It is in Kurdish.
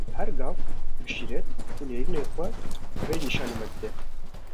Her gav bi şîret û nêrînên xwe, rê nîşanî me dide.